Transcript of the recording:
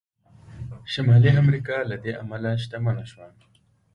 شمالي امریکا له دې امله شتمنه شوه.